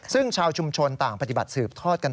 ซึ่งชาวชุมชนต่างปฏิบัติสืบทอดกัน